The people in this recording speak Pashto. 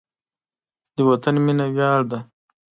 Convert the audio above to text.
د وطن مینه ویاړ دی.